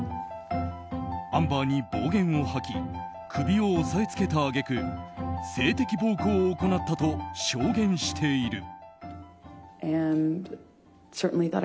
アンバーに暴言を吐き首を押さえつけた揚げ句性的暴行を行ったと証言している。